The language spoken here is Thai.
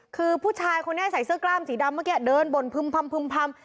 คือผู้ชายคนนี้ใส่เสื้อกล้ามสีดำเมื่อกี้เดินบ่นพึ่มพำ